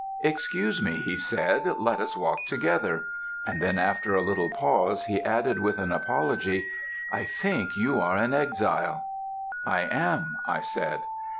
"'Excuse me,' he said, 'let us walk together,' and then after a little pause, he added, with an apology, 'I think you are an exile.' "'I am,' I said.